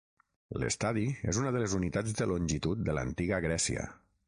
L'estadi és una de les unitats de longitud de l'Antiga Grècia.